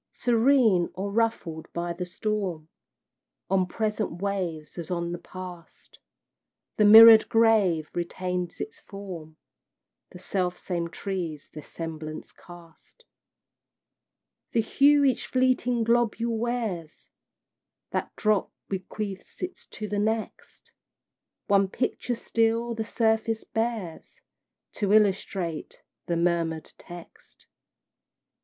Serene, or ruffled by the storm, On present waves as on the past, The mirrored grave retains its form, The self same trees their semblance cast. The hue each fleeting globule wears, That drop bequeaths it to the next, One picture still the surface bears, To illustrate the murmured text.